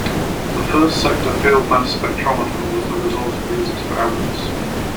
The first sector field mass spectrometer was the result of these experiments.